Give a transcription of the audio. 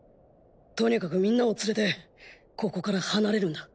とにかくみんなを連れてここから離れるんだ。